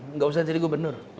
tidak usah jadi gubernur